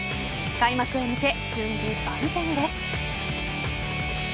開幕へ向け準備万全です。